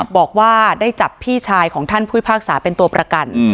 บอกว่าได้จับพี่ชายของท่านผู้พิพากษาเป็นตัวประกัน